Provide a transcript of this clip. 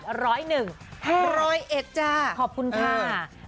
ฮ่าฮ่าร้อยเอ็ดจ้าขอบคุณค่าอืม